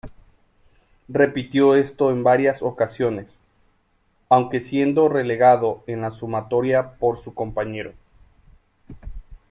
Repitió esto en varias ocasiones, aunque siendo relegado en la sumatoria por su compañero.